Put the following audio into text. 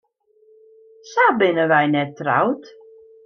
Sa binne wy net troud.